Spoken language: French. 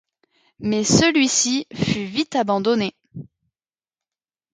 Mais celui-ci- fut vite abandonné.